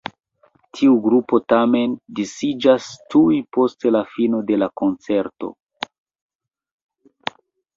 Tiu grupo tamen disiĝas tuj post la fino de koncerto.